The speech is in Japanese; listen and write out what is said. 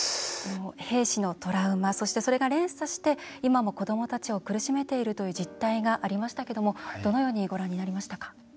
兵士のトラウマそして、それが連鎖して今も子どもたちを苦しめているという実態がありましたけどもどのようにご覧になりましたか？